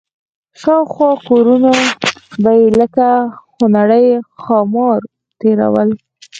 شاوخوا کورونه به یې لکه خونړي ښامار تېرول.